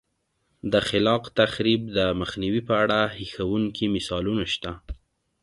د خلاق تخریب د مخنیوي په اړه هیښوونکي مثالونه شته